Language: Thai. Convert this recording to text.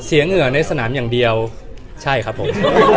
เหงื่อในสนามอย่างเดียวใช่ครับผม